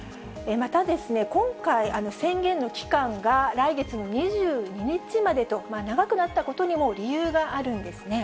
またですね、今回、宣言の期間が来月の２２日までと、長くなったことにも理由があるんですね。